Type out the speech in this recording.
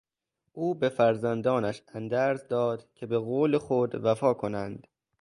او به فرزندانش اندرز داد که به قول خود وفا کنند.